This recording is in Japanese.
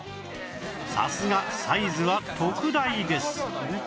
さすがサイズは特大です